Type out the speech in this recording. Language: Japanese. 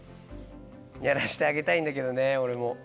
やらしてあげたいんだけどねオレも。